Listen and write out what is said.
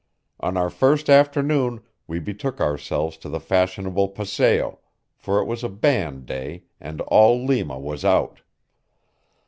On our first afternoon we betook ourselves to the fashionable paseo, for it was a band day, and all Lima was out.